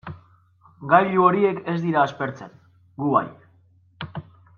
Gailu horiek ez dira aspertzen, gu bai.